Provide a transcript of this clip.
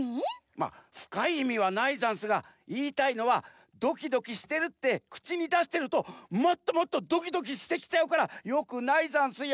まあふかいいみはないざんすがいいたいのはドキドキしてるってくちにだしてるともっともっとドキドキしてきちゃうからよくないざんすよ。